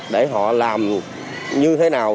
để họ làm như thế nào